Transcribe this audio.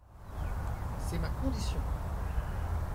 C’est ma condition !